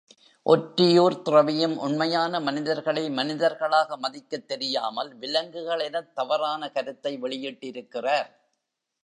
ஒற்றியூர்த் துறவியும் உண்மையான மனிதர்களை மனிதர்களாக மதிக்கத் தெரியாமல் விலங்குகள் எனத் தவறான கருத்தை வெளியிட்டிருக்கிறார்.